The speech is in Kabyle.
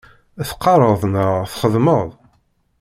Tqerraḍ neɣ txeddmeḍ?